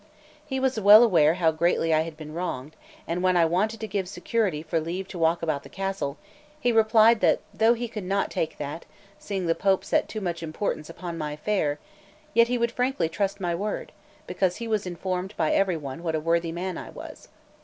He was well aware how greatly I had been wronged; and when I wanted to give security for leave to walk about the castle, he replied that though he could not take that, seeing the Pope set too much importance upon my affair, yet he would frankly trust my word, because he was informed by every one what a worthy man I was.